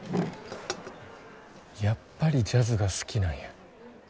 やっぱりジャズが好きなんや。